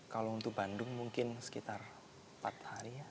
kalau untuk bandung mungkin sekitar empat hari ya